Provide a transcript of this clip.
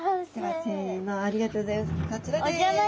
せのありがとうギョざいます。